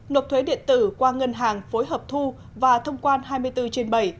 nộp thuế điện tử qua ngân hàng phối hợp thu và thông quan hai mươi bốn trên bảy